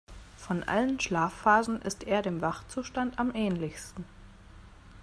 Von allen Schlafphasen ist er dem Wachzustand am ähnlichsten.